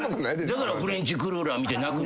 だからフレンチクルーラー見て泣く。